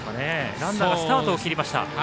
ランナーがスタートを切りました。